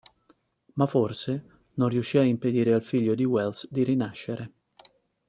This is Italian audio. Ma forse, non riuscirà a impedire al figlio di Wells di rinascere.